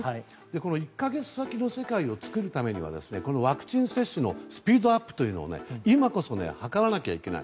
この１か月先の世界を作るためにはワクチン接種のスピードアップを今こそ図らないといけない。